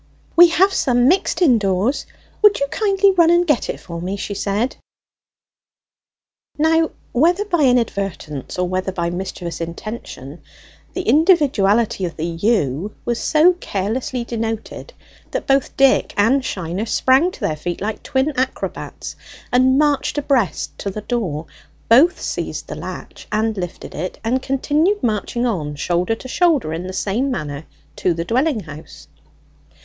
"We have some mixed indoors; would you kindly run and get it for me?" she said. Now, whether by inadvertence, or whether by mischievous intention, the individuality of the you was so carelessly denoted that both Dick and Shiner sprang to their feet like twin acrobats, and marched abreast to the door; both seized the latch and lifted it, and continued marching on, shoulder to shoulder, in the same manner to the dwelling house.